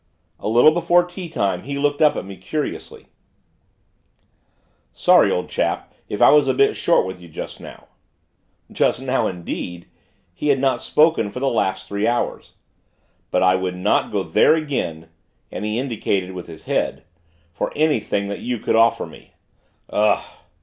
A little before teatime, he looked up at me, curiously. "Sorry, old chap, if I was a bit short with you just now;" (just now, indeed! he had not spoken for the last three hours) "but I would not go there again," and he indicated with his head, "for anything that you could offer me. Ugh!"